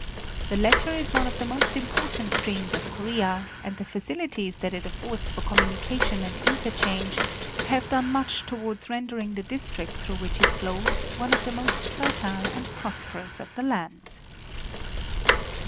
The latter is one of the most important streams of Korea, and the facilities that it affords for communication and interchange have done much towards rendering the district through which it flows one of the most fertile and prosperous of the land.